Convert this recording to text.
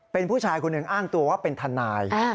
เป็นผู้ชายคนหนึ่งอ้างตัวว่าเป็นทนาย